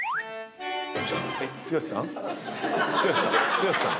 剛さん？